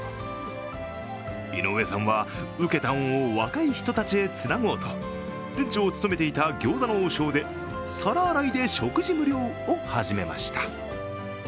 井上さんは受けた恩を若い人たちへつなごうと店長を務めていた餃子の王将で皿洗いで食事無料を始めました。